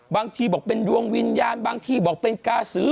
บางทีบอกเป็นดวงวิญญาณบางทีบอกเป็นกาสือ